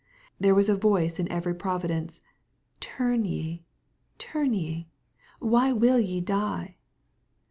There was a voice in every providence, " Tu rn ye , turn ye, why will ye die